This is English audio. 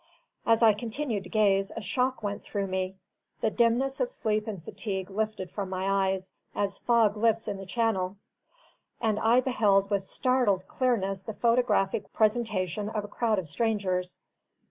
As I continued to gaze, a shock went through me; the dimness of sleep and fatigue lifted from my eyes, as fog lifts in the channel; and I beheld with startled clearness the photographic presentment of a crowd of strangers.